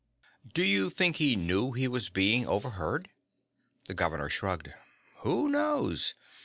"Do you think he knew he was being overheard?" The governor shrugged. "Who knows.